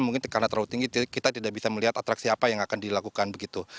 mungkin karena terlalu tinggi kita tidak bisa melihat atraksi apa yang akan dilakukan begitu